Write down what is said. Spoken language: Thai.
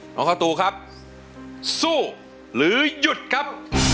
น้องเข้าตู้ครับสู้หรือหยุดครับ